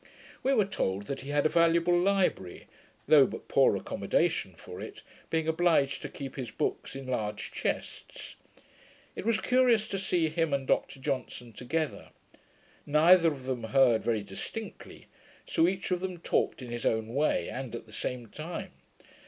We were told, that he had a valuable library, though but poor accomodation for it, being obliged to keep his books in large chests. It was curious to see him and Dr Johnson together. Neither of them heard very distinctly; so each of them talked in his own way, and at the same time.